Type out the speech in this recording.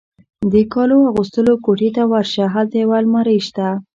د کالو اغوستلو کوټې ته ورشه، هلته یو المارۍ شته.